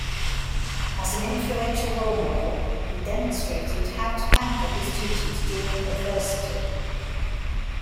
As an influential role model, he demonstrated how to handle his duties during adversity.